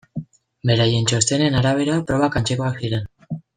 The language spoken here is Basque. Beraien txostenen arabera probak antzekoak ziren.